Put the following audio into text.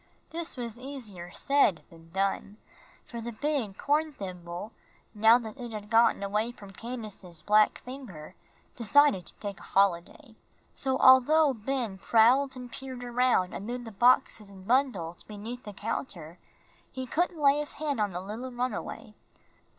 This was easier said than done, for the big horn thimble, now that it had gotten away from Candace's black finger, decided to take a holiday. So although Ben prowled and peered around amid the boxes and bundles beneath the counter, he couldn't lay his hand on the runaway.